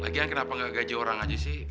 lagi yang kenapa gak gaji orang aja sih